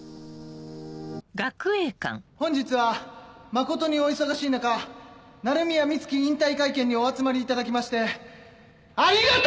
本日は誠にお忙しい中鳴宮美月引退会見にお集まりいただきましてありがと！